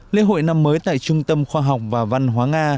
lễ hội năm mới tại trung tâm khoa học và văn hóa nga